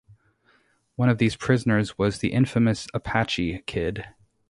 One of these prisoners was the infamous Apache Kid.